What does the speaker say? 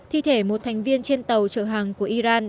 thi thể một thành viên trên tàu trợ hàng của iran